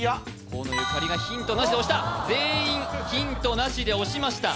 河野ゆかりがヒントなしで押した全員ヒントなしで押しました